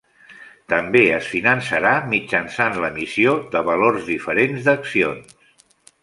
També es finançarà mitjançant l'emissió de valors diferents d'accions.